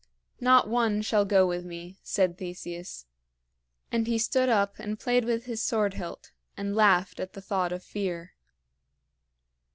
"Not one shall go with me," said Theseus; and he stood up and played with his sword hilt, and laughed at the thought of fear.